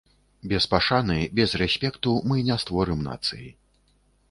Без пашаны, без рэспекту мы не створым нацыі.